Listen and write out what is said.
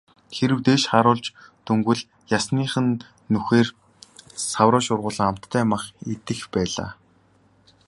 Хэрэв дээш харуулж дөнгөвөл ясных нь нүхээр савраа шургуулан амттай мах идэх байлаа.